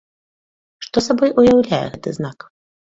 Што сабой уяўляе гэты знак?